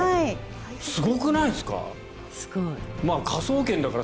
すごくないですか？